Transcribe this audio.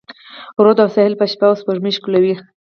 رود او ساحل به شپه، سپوږمۍ ښکلوي